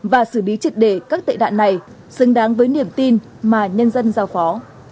và xử lý triệt đề các tệ nạn này xứng đáng với niềm tin mà nhân dân giao phó